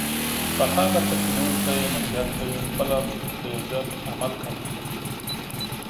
په هغه څه چې نورو ته یی نصیحت کوي خپله پری زر عمل کوه